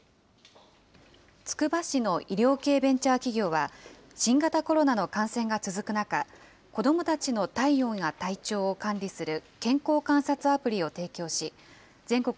つくば市の医療系ベンチャー企業は、新型コロナの感染が続く中、子どもたちの体温や体調を管理する健康観察アプリを提供し、全国